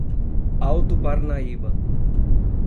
Alto Parnaíba